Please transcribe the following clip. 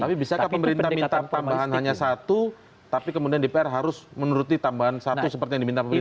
tapi bisakah pemerintah minta tambahan hanya satu tapi kemudian dpr harus menuruti tambahan satu seperti yang diminta pemerintah